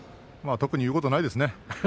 特に言うことないですね。